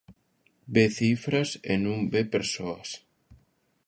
Ve cifras e non ve persoas.